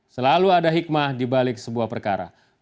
selalu ada hikmah dibalik sebuah perkara